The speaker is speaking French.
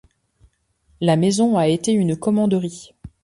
La maison a été une commanderie.